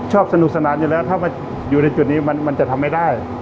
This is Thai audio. สนุกสนานอยู่แล้วถ้ามาอยู่ในจุดนี้มันจะทำไม่ได้